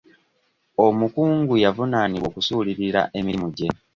Omukungu yavunaanibwa okusuulirira emirimu gye.